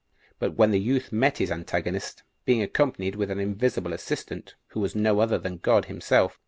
5. But the youth met his antagonist, being accompanied with an invisible assistant, who was no other than God himself.